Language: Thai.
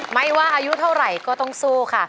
ไม่ว่าอายุเท่าไหร่ก็ต้องสู้ค่ะ